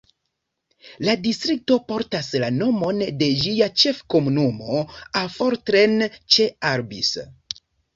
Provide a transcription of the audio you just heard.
La distrikto portas la nomon de ĝia ĉef-komunumo Affoltern ĉe Albis.